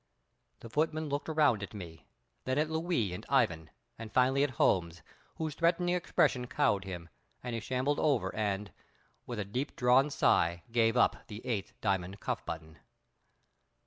The footman looked around at me, then at Louis and Ivan, and finally at Holmes, whose threatening expression cowed him, and he shambled over and, with a deep drawn sigh, gave up the eighth diamond cuff button.